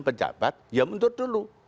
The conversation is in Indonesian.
pejabat ya mentur dulu